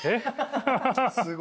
すごい。